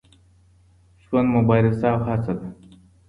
ژوند مبارزه او هڅه ده.